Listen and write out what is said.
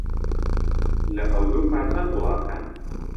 لە ئەورووپا چەند وڵات هەن؟